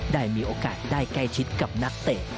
ได้มีโอกาสได้ใกล้ชิดกับนักเตะ